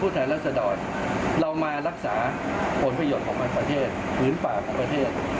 ว่าเราจะทำอย่างไรสุดกับผ่านชายสมัยรัฐประเทศ